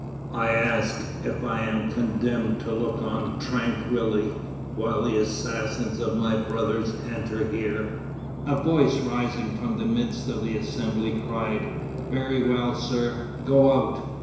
I ask if I am condemned to look on tranquilly while the assassins of my brother enter here?" A voice rising from the midst of the Assembly cried: "Very well, sir, go out!"